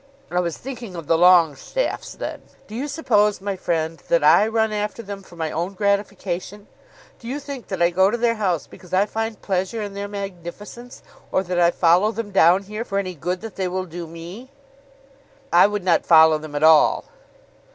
I was thinking of the Longestaffes then." "Do you suppose, my friend, that I run after them for my own gratification? Do you think that I go to their house because I find pleasure in their magnificence; or that I follow them down here for any good that they will do me?" "I would not follow them at all."